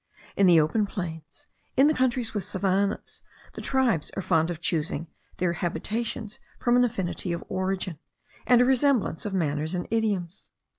In the open plains, in the countries with savannahs, the tribes are fond of choosing their habitations from an affinity of origin, and a resemblance of manners and idioms.